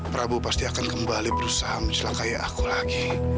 prabu pasti akan kembali berusaha mencelakai aku lagi